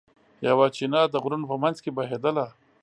یوه چینه د غرونو په منځ کې بهېدله.